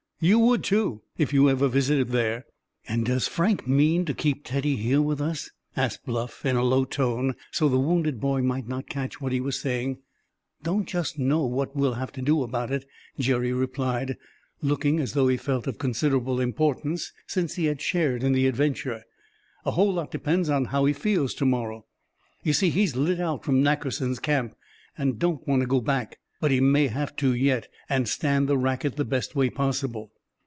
You would too, if you ever visited there." "And does Frank mean to keep Teddy here with us?" asked Bluff, in a low tone, so the wounded boy might not catch what he was saying. "Don't just know what we'll have to do about it," Jerry replied, looking as though he felt of considerable importance, since he had shared in the adventure. "A whole lot depends on how he feels to morrow. You see, he's lit out from Nackerson's camp, and don't want to go back; but he may have to yet, and stand the racket the best way possible."